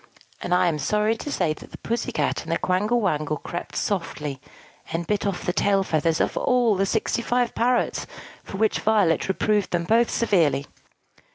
And I am sorry to say that the Pussy Cat and the Quangle Wangle crept softly, and bit off the tail feathers of all the sixty five parrots; for which Violet reproved them both severely.